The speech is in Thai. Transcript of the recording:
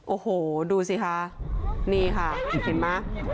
โอ้โหดูสิคะนี่ค่ะเห็นไหม